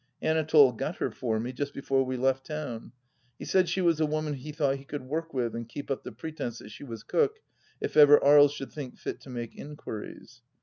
Anatole got her for me, just before we left town. He said she was a woman he thought he could work with and keep up the pretence that she was cook, if ever Aries should think fit to make inquiries.